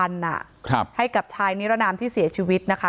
ให้กับชายนิรนามที่เสียชีวิตนะคะ